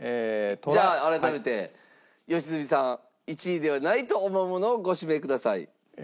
じゃあ改めて良純さん１位ではないと思うものをご指名ください。